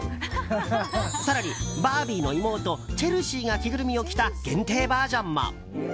更にバービーの妹チェルシーが着ぐるみを着た限定バージョンも。